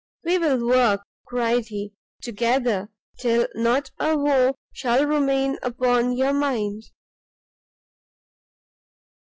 "We will work," cried he, "together, till not a woe shall remain upon your mind.